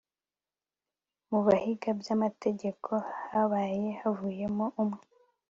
mu bahiga by'agateganyo habaye havuyemo umwe